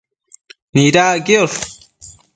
Nidac quiosh